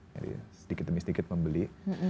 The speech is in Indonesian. jadi sedikit demi sedikit membeli